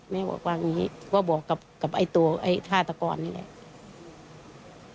แม่ก็บอกกับไอ้ธาตุกรนี่แหละ